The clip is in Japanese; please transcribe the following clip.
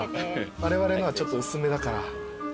われわれのはちょっと薄めだから。